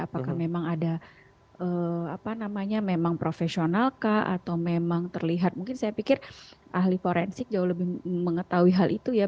apakah memang ada apa namanya memang profesionalkah atau memang terlihat mungkin saya pikir ahli forensik jauh lebih mengetahui hal itu ya